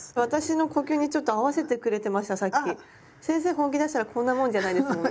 本気出したらこんなもんじゃないですもんね。